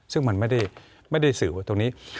ซึ่งมันไม่ได้สื่อว่าตรงนี้